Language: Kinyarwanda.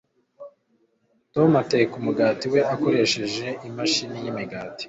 Tom ateka umugati we akoresheje imashini yimigati.